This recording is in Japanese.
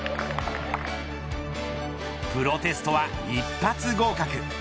プロテストは一発合格。